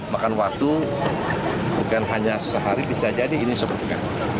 makan waktu bukan hanya sehari bisa jadi ini sebuka